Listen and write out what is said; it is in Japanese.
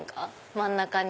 真ん中に。